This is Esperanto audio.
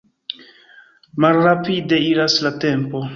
Malrapide iras la tempo.